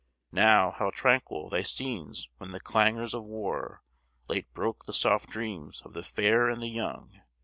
Now, how tranquil thy scenes when the clangors of war Late broke the soft dreams of the fair and the young!